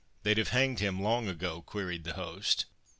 They'd have hanged him long ago?" queried the host.